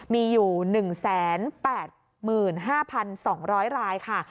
มีอยู่๑๘๕๒๐๐รายค่ะ